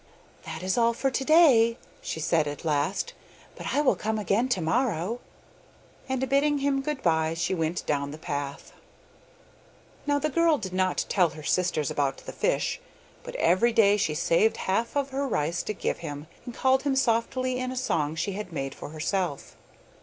'That is all for to day,' she said at last, 'but I will come again to morrow,' and biding him good bye she went down the path. Now the girl did not tell her sisters about the fish, but every day she saved half of her rice to give him, and called him softly in a little song she had made for herself.